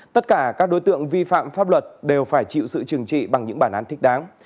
tất cả các đối tượng vi phạm pháp luật đều phải chịu sự trừng trị bằng những bản án thích đáng